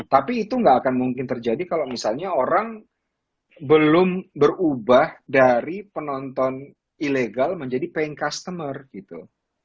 tapi itu nggak akan mungkin terjadi kalau misalnya orang belum berubah dari penonton ilegal menjadi paying customer gitu